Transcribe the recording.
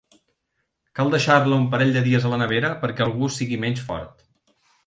Cal deixar-la un parell de dies a la nevera, perquè el gust sigui menys fort.